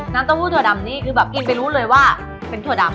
เต้าหู้ถั่วดำนี่คือแบบกินไปรู้เลยว่าเป็นถั่วดำ